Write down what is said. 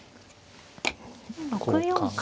６四角。